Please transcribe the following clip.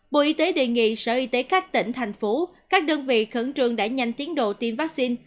bộ y tế đề nghị sở y tế các tỉnh thành phố các đơn vị khẩn trương đẩy nhanh tiến độ tiêm vaccine